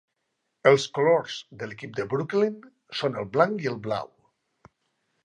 Els colors de l'equip de Brooklyn són el blanc i el blau.